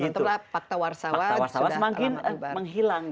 sementara pakta warsawa semakin menghilang